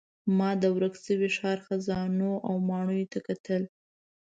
ما د ورک شوي ښار خزانو او ماڼیو ته کتل.